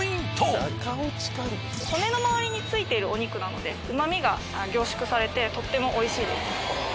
骨の周りについているお肉なので旨みが凝縮されてとても美味しいです。